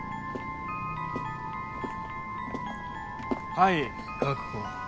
はい確保。